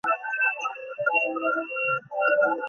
আপনার কাছে কি আমার কথা যুক্তিযুক্ত মনে হচ্ছে?